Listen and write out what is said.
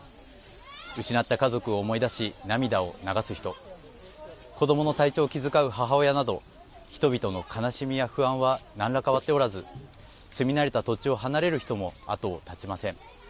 失った家族を思い出し涙を流す人子どもの体調を気遣う母親など人々の悲しみや不安は何ら変わっておらず住み慣れた土地を離れる人も後を絶ちません。